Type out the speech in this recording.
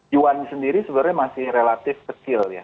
juan sendiri sebenarnya masih relatif kecil ya